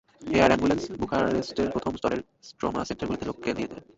Air ambulance বুখারেস্টের প্রথম স্তরের ট্রমা সেন্টারগুলোতে লোকেদের নিয়ে যায়।